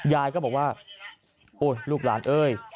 ยายก็บอกว่าโอ๊ยลูกหลานเอ้ย